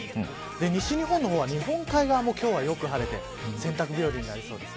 西日本の方は日本海側も今日はよく晴れて洗濯日和になりそうです。